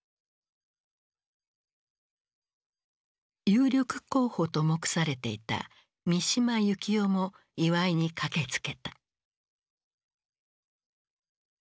有力候補と目されていた三島由紀夫も祝いに駆けつけた。